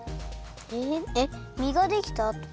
えみができたあと？